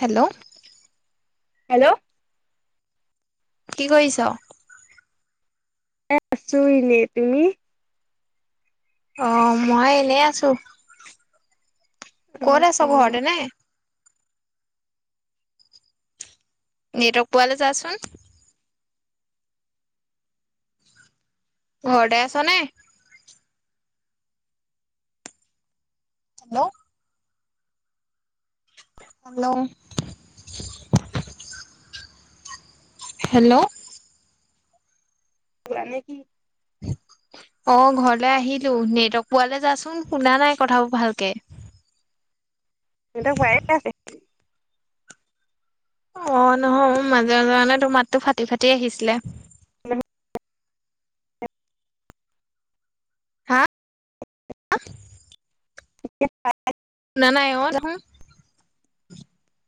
Hello hello কি কৰিছ এ আছোঁ এনে তুমি অঁ মই এনেই আছো কত আছ' ঘৰতে নে নেটৱৰ্ক পোৱালে যাচোন ঘৰতে আছ নে হেল্ল' হেল্ল' হেল্ল' শুলা নে কি অঁ ঘৰলে আহিলো নেটৱৰ্ক পোৱালৈ যাচোন শুনা নাই কথাবোৰ ভালকে [unintelligible] অঁ নহয় মোৰ মাজে মাজে মানে তোৰ মাতটো ফাটি ফাটি আহিছিলে হা [inaudible] শুনা নাই অ যাচোন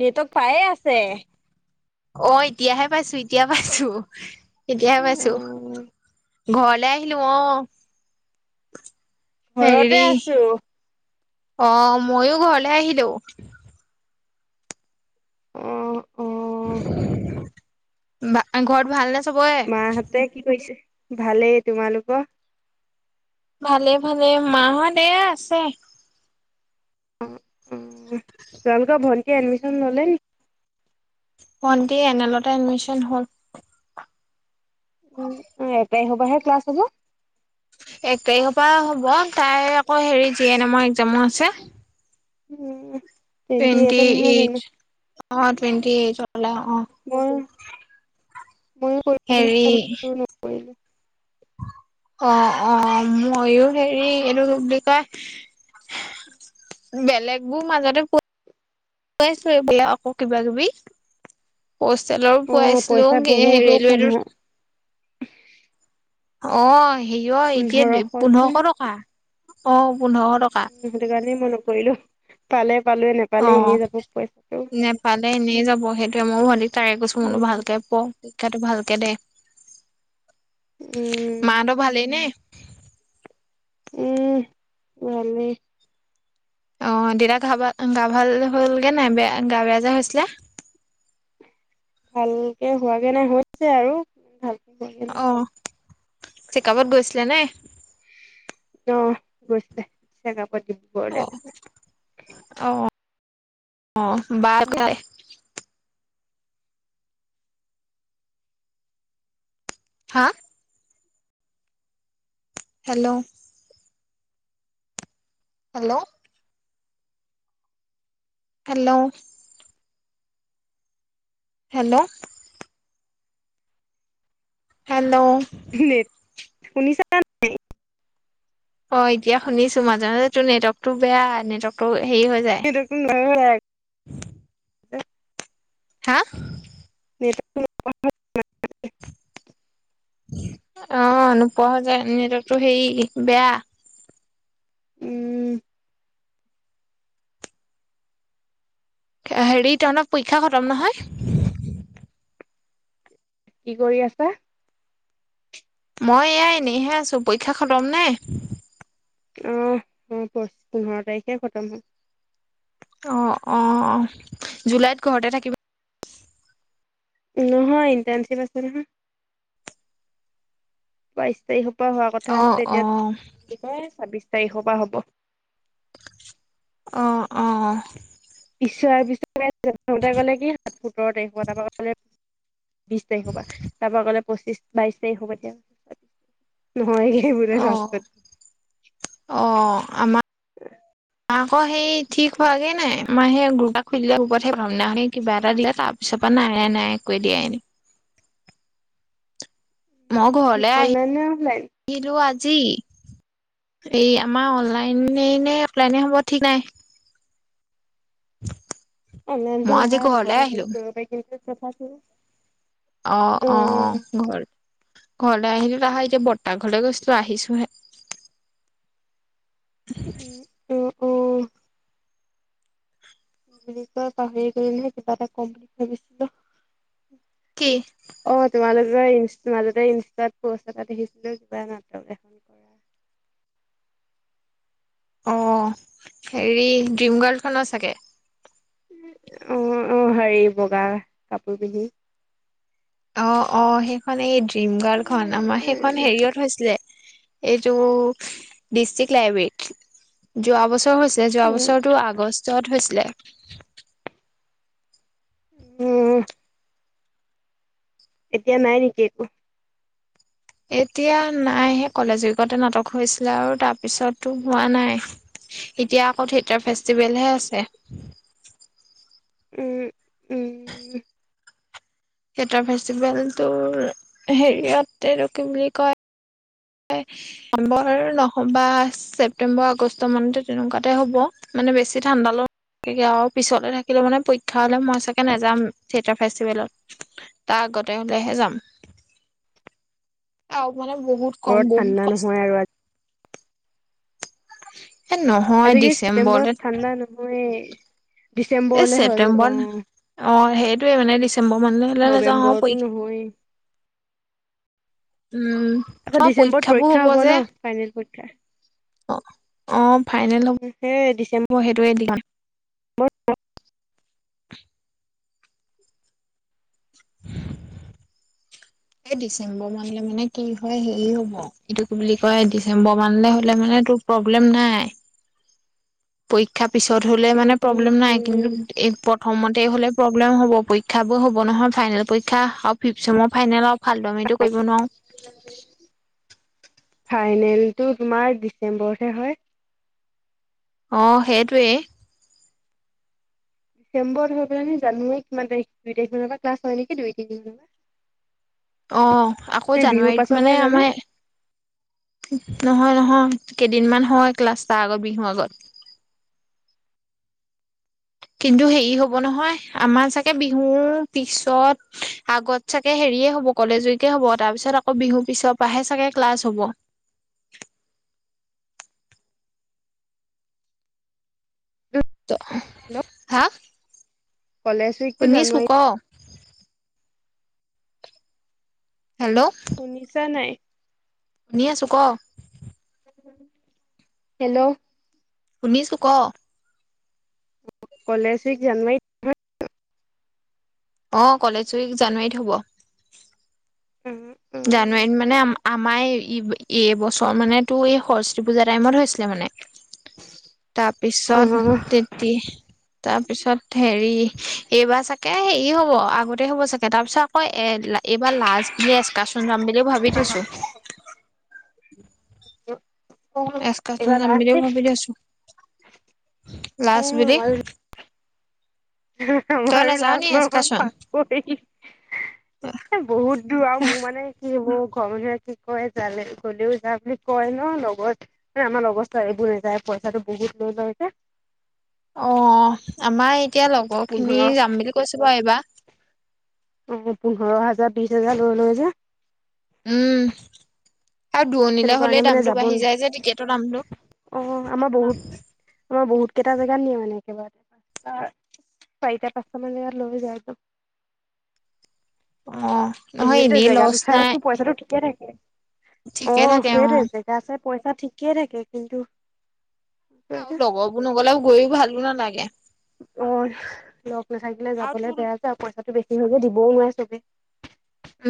নেটৱৰ্ক পায়ে আছে। অঁ এতিয়াহে পাইছো এতিয়া পাইছো এতিয়াহে পাইছো ঘৰলে আহিলো অঁ ঘৰতে আছো অঁ ময়ো ঘৰলে আহিলো অঁ অঁ বা ঘৰত ভাল নে মাহঁতে কি কৰিছে ভালেই তোমালোকৰ ভালে ভালে মাহঁত এয়া আছে অঁ তোমালোকৰ ভন এয়া এডমিশন ললে ভণ্টি এনেলতে এডমিশন হল উম এক তাৰিখৰ পৰা হে হ'বহে ক্লাছ হব এক তাৰিখৰ পৰা হ'ব তাই আকৌ হেৰি জি এন এমৰ এক্জামো আছে উম টুৱেণ্টি এইটত নহয় এইট জানো অঁ টুৱেণ্টি এইট হবলা অঁ মই [unintelligible] অঁ অঁ ময়ো হেৰি এইটো বুলি কয় বেলেগো মাজতে প আকৌ কিবা কিবি হোষ্টেলৰ অ', পইচা পুৱাইছিলোংগে বহুত অ' ৰেলৱেটো পোন্ধৰ অ হেয় এতিয়া পোন্ধৰশ পোন্ধৰশ টকা অ পোন্ধৰশ টকা উম সেটো কাৰণে মই নকৰিলো পালে পালোৱে অ নেপালে এনেই যাব পইচাটো নেপালে এনেই যাব সেইটোয়ে মই ভনটিক তাৰে কৈছো বোলো উম ভালকে প পৰিক্ষাটো ভালকে দেেই উম মা তৰ ভালেই নে [unintelligible] উম ভালে অ দেতা ঘা ভাল গা ভাল হ'লগে নাই বেয়া গা বেয়া যে হৈছিলে ভালকে হোৱাগে নাই হৈছে আৰু ভাল হোৱাগৈ নাই অ চেকআপত গৈছিলে নে অ গৈছিলে চেকআপ এ বাৰ ডিব্ৰুগড়লে গছে অহ বাৰ কাই হা hello hello hello hello hello শুনিছানে নাই অ এতিয়া শুনিছো মাজে মাজে তোৰ নেটৱৰ্কটো বেয়া নেটৱৰ্কটো হেৰি হৈ যায় সম ন [unintelligible] হা ন [unintelligible] অ নোপোৱা হৈ যায় নেটৱৰ্কটো হেৰি বেয়া উম হেৰি তহতৰ পৰীক্ষা খতম নহয় কি কৰি আছা মই এইয়া এনেইহে আছো পৰীক্ষা খতম নে অহ পাচ পোন্ধৰ তাৰিখে খতম হল অ অ অ জুলাইত ঘৰতে থাকিব নহয় ইণ্টাৰণশ্বিপ আছে নহয় বাইশ তাৰিখ হোৱা কথা অ আছিলে অ এতিয়া কি বুলি কয় চাব্বিশ তাৰিখৰ পৰা হ'ব অহ অহ চাৰে প্ৰথমতে কলে কি সাত সোতৰ তাৰিখ হব তাৰপৰা কলে বিশ তাৰিখৰ পৰা তাৰপৰা কলে পঁচিশ বাইশ তাৰিখ পৰা এতিয়া নহয়ে স বৰে ৰা অ [unintelligible] আমাৰ উ মা আকৌ সেই ঠিক হোৱাগে নাই মা সেেই গৰুটা খুলিলে গোপৰত সেই ভামনােই কিবা এটা দিলে তাৰ পিছৰ পৰা নাই নাই নাই একোৱ দিয়া এনে [unintelligible] মই ঘৰলে আহি অনলাইন নে অফলাইন আহিলো আজি জি এই আমাৰ অনলাইনে নে প্লাইনি সমব ঠিক নাই [unintelligible] [inaudible] অ মই মে আজি ভাল ঘৰলে ঘতে আহিলো হেৰি কৰিব পাৰি কিন্তু [unintelligible] কথাটো অ অ ঘৰ ঘৰলৈ আহিলো আহা এতিয়া বতাহ ঘৰলৈ গৈছো আহিছোহে উম উম অ' বুলি কয় পাহৰি গলেহে কিবা এটা কম বুলি ভাবিছিলো কি অ তোমালো মাজতে ইনষ্টাত পষ্ট এটা দেখিছিলো কিবা নাটক এখন কৰা অ হেৰি ড্ৰিম গাৰ্ল্ড খনৰ চাগে আহ আহ হেৰি বগা কাপোৰ পিন্ধি অ অ সেইখন এই ডিম গাৰ্ডখন আমাৰ সেইখন হেৰিয়ত হৈছিলে এইটো ডিষ্ট্ৰিক্ লাইব্ৰেৰী যৱ [unintelligible] ৰ হৈছে যোৱা উম বছৰটো আগষ্ট য'ত হৈছিলে উ এতিয়া নাই নেকি একো এতিয়া নাই সে কলেজ উগতে নাটক হৈছিলে আৰু তাৰ পিছতো হোৱা নাই এতিয়া আকৌ থিয়েটাৰ ফেষ্টিভেলহে আছে [unintelligible] উম উম সেতাৰ ফেষ্টিভেল তোৰ হেৰিয়তে কি বুলি কয় নৱেম্বৰ নহ্ব ছেপটেম্বৰ আগষ্ট মানতে তেনেকুৱাতে হ'ব মানে বেছি ঠাণ্ডাল আৰু পিছলে থাকিলে মানে পৰীক্ষা হলে মই চাগে নেযাম থিয়েটাৰ ফেষ্টিভেলত তাৰ আগতে হলেহে যাম [unintelligible] অ মানে বহুত কম বৰত বহুত ঠাণ্ডা কষ্ট নহয় আৰু [inaudible] আজিকি ডিচেম্বৰত ছেপ্তেম্বৰত ঠাণ্ডা নহয় [inaudible] এই ডিচেম্বৰলে হৈ গাব অ ছেপ্তেম্বৰত [unintelligible] অ সেইটোয়ে মানে দিছো চমভ মান হ'লে নেযাও প নৱেম্বৰতো নহয়। [unintelligible] উম আকৌ তোমাৰ ডিচেম্বৰত পৰীক্ষাবোৰ পৰীক্ষা হব ন যে ফাইনেল পৰীক্ষা। অ অ ফাইনেল সেই ডিচেম্বৰ হ'ব' সেইটোৱে দি কাম [unintelligible] [inaudible] [unintelligible] [inaudible] এই ডিচেম্বৰ মানলে মানে কি হয় হেৰি হব এইটো কি বুলি কয় ডিচেম্বৰ মানলে হলে মানে তোৰ প্ৰব্লেম নাই। পৰীক্ষা পিছত হ'লে উম মানে প্ৰব্লেম নাই কিন্তু উম এই প্ৰথমত তে হ'লে প্ৰব্লেম হ'ব, পৰীক্ষাবোৰ হ'ব নহয় ফাইনেল পৰীক্ষা আৰু ফিফ্থ চছেমৰ ফাইনেল হব। ফালটোৱামিটো কৰিব নোৱাৰো। ফাইনেলটো তোমাৰ ডিচেম্বৰতহে হয়। অ সেইটোৱেই। ডিচেম্বৰত হৈ পেলাইনি জানুৱাৰীত কিমান তাৰিখ দুই তাৰিখ মানৰ পৰা ক্লাছ হয় নিকি দুই তিনিদিন অ আকৌ জানুৱাৰীত মানে হয় জানো আমাৰ নহয় নহয় কেইদিনমান হয় ক্লাছ তাৰ আগত বিহুৰ আগত। কিন্তু হেৰি হব নহয় আমাৰ চাগে বিহুৰ পিছত আগত চাগে হেৰিয়ে হব কলেজ উইকে হব তাৰ পিছত আকৌ বিহুৰ পিছৰ পাহে চাগে ক্লাছ হব। হেল্ল' [unintelligible] হা? কলেজ উইকটো শুনিছো ক জানুৱাৰী হেল্ল' শুনিছা নাই? শুনি আছো ক। হেল্ল' শুনিছো ক। কলেজ উইক জানুৱাৰীত হয় জানো? অ কলেজ উইক জানুৱাৰীত হ'ব। জানুৱাৰীত মানে আমাৰ এই ইব এই বছৰ মানে তোৰ এই সৰস্বতী পূজাৰ টাইমত হৈছিলে মানে। অ তাৰপিছত তেতি তাৰপিছত হেৰি এইবাৰ চাগে হেৰি হ'ব আগতে হ'ব চাগে তাৰপিছত আকৌ এ এইবাৰ লাজখিনি এস্কাচন যাম বুলিও ভাবি থৈছো। অ অ এস্কাচন এইবাৰ যাম লাষ্ট বুলিও দেই, ভাবি থৈছো । এ লাষ্ট বুলি আমাৰো তই আমাৰো নাযাও নি লাজ এস্কাচন নহয় [unintelligible] এ বহুত দূৰ আৰু মোৰ মানে কি হ'ব ঘৰ মানুহে কি কয় যালে গলেও যা বুলি কয় ন লগত আমাৰ লগৰ ছোৱালীবোৰ নেযায় পইচাটো বহুত লৈ লয় যে। অ আমাৰ এতিয়া লগৰখিনি পোন্ধৰ যাম বুলি কৈছে বাৰু এইবা। উম পোন্ধৰ হাজাৰ বিশ হাজাৰ লৈ লয় যে। উম', আৰু দূৰণিলে সেইটো হলে কাৰণে মানে দামটো যাব বাঢ়ি যায় যে নোৱাৰো টিকেটৰ দামটো অহ ', আমাৰ বহুত আমাৰ বহুত। কেইটা জেগাত নিয়ে মানে একেবাৰটে? চাৰিটা পাঁচটা মান জেগাত লৈ যায় ন। অ নহয় সেইটোৱে এনেই জেগাটো লছ নাই চাইটো পইচাটো ঠিকে থাকে। ঠিকে অহ ', থাকে অ সেইটোৱে জেগা চব। পইচা ঠিকেই থাকে কিন্তু। আৰু লগৰবোৰ নগলেও গৈও ভালো নালাগে। অহ ', লগ নাথাকিলে আৰু যাবলে তোৰ বেয়া পাওঁ মই। কটো বেছি হৈগে দিবও নোৱাৰে চবে।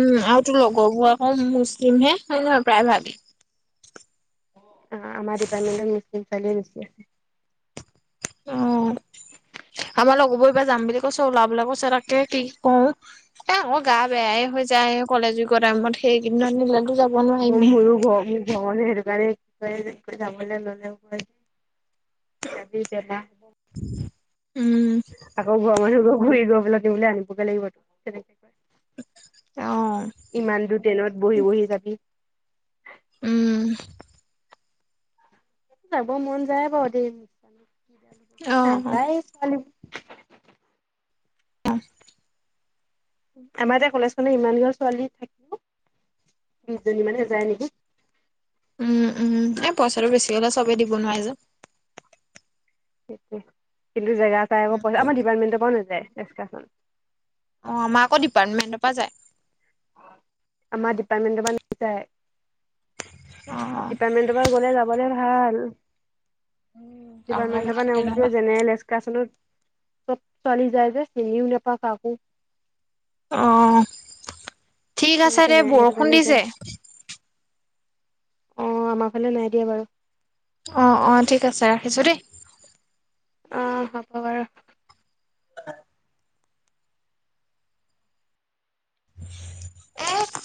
উম', আৰুতো লগৰবোৰ আকৌ মুছলিমহে হয়, নহয় প্ৰায় ভাবি অহ ', আমাৰ ডিপাৰটমট মুছলিম ছোৱালী আহিছে। অহ ', আমাৰ লগৰবোৰব যাম বুলি কৈছে ওলাব বোলে কৈছে তাকে কি কওঁ এ আকৌ গা বেয়াই হৈ যায় কলেজ যুৰ টাইমত সেইকেই কিদিনমান ম মোৰ ঘ ধ সেইটো কাৰানে [unintelligible] যাব ল ল আ তে [unintelligible] বহ উম আকৌ বেমাৰ হব। গুৰি গবলৈ দেও ল আ ব লাগ [unintelligible] অ ইমান দূৰ ট্ৰেইনত বহি- বহি যাবি। উম', যাব মন যায় বাৰু দেই নিছ। অ নাযায় ছোৱালী অহ ', আমাৰ এয়া কলেজ খনে ইমান ঘৰ ছোৱালী থাকিব বিশ জনী মানে যায় নেকি। উম', - উম', এই পইচাটো বেছি হলে চবেই দিব নোৱাৰি যে। স [unintelligible] জো চাই আ পইচ আমাৰ দীপৰৰ্মেণ্ট পৰা নযায়। তেছ কথা অহ ', আমাৰ আকৌ ডিপাৰ্টমেণ্টৰ পৰা যায়। আমাৰ ডিপাৰ্টমেণ্টৰ পৰা নাযায়। অ ডিপাৰ্টমেন্টৰ পৰা গ'লে যাবলে ভাল। অহ আমাৰ ভাগ ', তেনেকুৱা ডিাৰটেণ্টৰত। চব চলি যায় যে চিও নপা কাকো। অহ ', ঠিক আছে তেনেকে দে যায় বৰষুণ দিছে। অহ, আমাৰ ফালে নাই দিয়া বাৰু। অ-অ ঠিক আছে ৰাখিছোঁ দেই। অ হ'ব বাৰু। [inaudible] আহ [unintelligible]